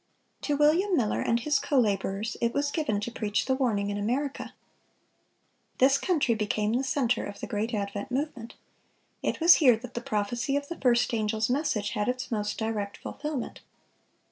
To William Miller and his co laborers it was given to preach the warning in America. This country became the center of the great Advent Movement. It was here that the prophecy of the first angel's message had its most direct fulfilment.